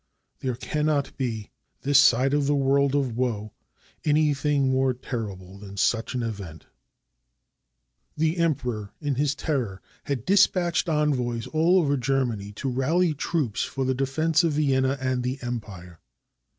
There cannot be, this side of the world of woe, anything more terrible than such an event. The Emperor, in his terror, had dispatched envoys all over Germany to rally troops for the defense of 313 AUSTRIA HUNGARY Vienna and the Empire.